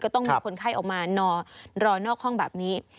ต้องมีคนไข้ออกมารอนอกห้องแบบนี้